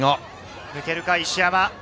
抜けるか、石山。